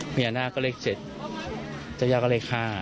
พญานาคก็เลข๗เจ้าหญ้าก็เลข๕